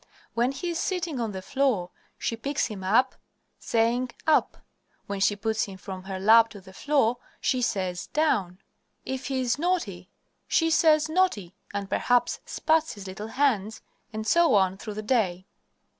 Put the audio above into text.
When he is sitting on the floor she picks him up, saying "up." When she puts him from her lap to the floor she says "down." If he is naughty she says "naughty," and perhaps spats his little hands, and so on through the day.